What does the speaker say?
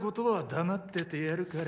黙っててやる。